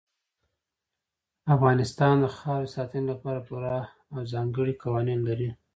افغانستان د خاورې د ساتنې لپاره پوره او ځانګړي قوانین لري.